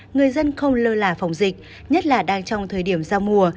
người dân không lơ là phòng dịch nhất là đang trong thời điểm giao mùa